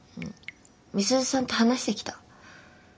美鈴さんと話してきた。